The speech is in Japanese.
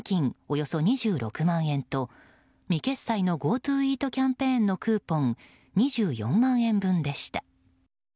およそ２６万円と未決済のＧｏＴｏイートキャンペーンのクーポン２４万円分でした。